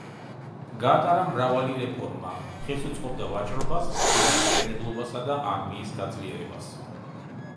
გაატარა მრავალი რეფორმა, ხელს უწყობდა ვაჭრობას, ფლოტის მშენებლობასა და არმიის გაძლიერებას.